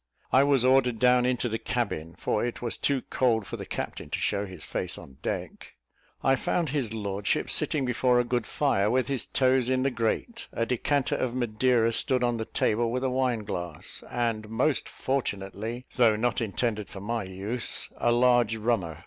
I was ordered down into the cabin, for it was too cold for the captain to show his face on deck. I found his lordship sitting before a good fire, with his toes in the grate; a decanter of Madeira stood on the table, with a wine glass, and most fortunately, though not intended for my use, a large rummer.